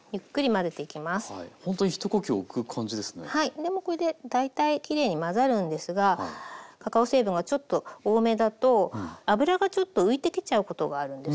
でもこれで大体きれいに混ざるんですがカカオ成分がちょっと多めだと脂がちょっと浮いてきちゃうことがあるんですね。